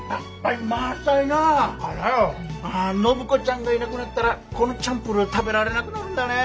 あ暢子ちゃんがいなくなったらこのチャンプルー食べられなくなるんだね。